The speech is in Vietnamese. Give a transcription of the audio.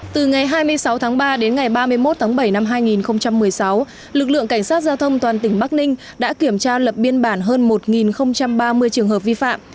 từ ngày hai mươi sáu tháng ba đến ngày ba mươi một tháng bảy năm hai nghìn một mươi sáu lực lượng cảnh sát giao thông toàn tỉnh bắc ninh đã kiểm tra lập biên bản hơn một ba mươi trường hợp vi phạm